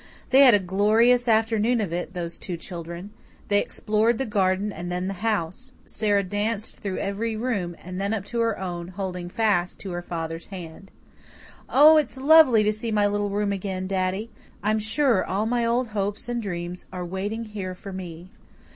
They had a glorious afternoon of it, those two children. They explored the garden and then the house. Sara danced through every room, and then up to her own, holding fast to her father's hand. "Oh, it's lovely to see my little room again, daddy. I'm sure all my old hopes and dreams are waiting here for me."